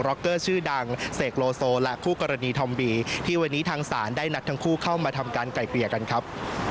็อกเกอร์ชื่อดังเสกโลโซและคู่กรณีธอมบีที่วันนี้ทางศาลได้นัดทั้งคู่เข้ามาทำการไกลเกลี่ยกันครับ